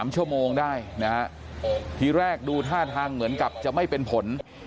๓ชั่วโมงได้นะฮะทีแรกดูท่าทางเหมือนกับจะไม่เป็นผล